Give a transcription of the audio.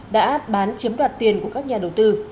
đã bán chiếm đoạt tiền của các nhà đầu tư